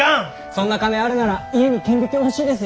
そんな金あるなら家に顕微鏡欲しいですよね。